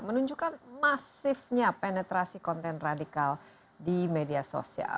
menunjukkan masifnya penetrasi konten radikal di media sosial